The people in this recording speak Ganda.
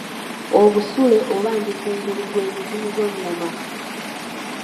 Obusule oba ndikungulu gwe muzimu gw’engoma.